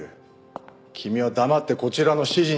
君は黙ってこちらの指示に。